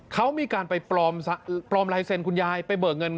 เขามีการไปปลอมลายเซ็นต์คุณยายไปเบิกเงิน